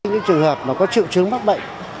những trường hợp mà có triệu chứng mắc bệnh